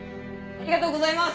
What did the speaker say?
ありがとうございます。